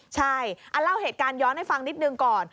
ใช่เอาเล่าเหตุการณ์ย้อนให้ฟังนิดนึงก่อน